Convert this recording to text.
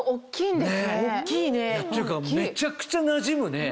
っていうかめちゃくちゃなじむね！